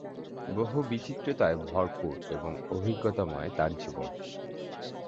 বহু বিচিত্রতায় ভরপুর এবং অভিজ্ঞতাময় তার জীবন।